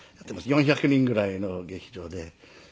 ４００人ぐらいの劇場で。